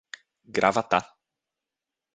Gravatá